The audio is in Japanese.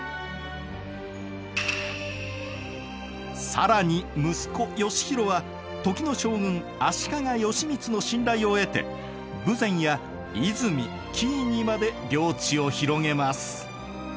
更に息子義弘は時の将軍足利義満の信頼を得て豊前や和泉・紀伊にまで領地を広げます。